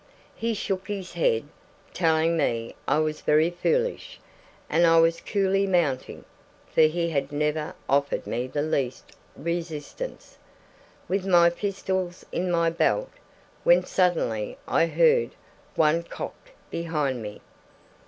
He shook his head, telling me I was very foolish, and I was coolly mounting (for he had never offered me the least resistance), with my pistols in my belt, when suddenly I heard one cocked behind me.